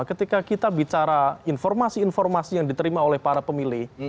ketika kita bicara informasi informasi yang diterima oleh para pemilih